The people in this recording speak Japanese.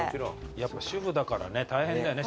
やっぱ主婦だからね大変だよね。